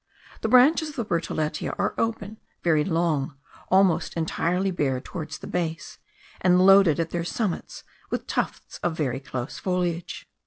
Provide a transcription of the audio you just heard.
The branches of the bertholletia are open, very long, almost entirely bare towards the base, and loaded at their summits with tufts of very close foliage.